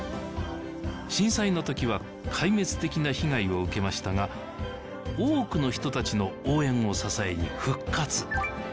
震災のときは壊滅的な被害を受けましたが多くの人たちの応援を支えに復活